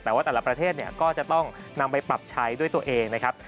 แต่ว่าแต่ละประเทศเนี่ยก็จะต้องนำไปปรับใช้ด้วยตัวเองนะครับ